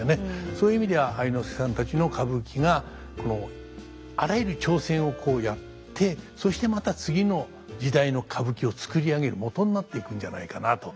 そういう意味では愛之助さんたちの歌舞伎がこのあらゆる挑戦をやってそしてまた次の時代の歌舞伎を作り上げるもとになっていくんじゃないかなと。